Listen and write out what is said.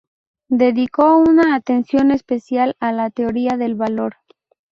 Dedicó una atención especial a la teoría del valor.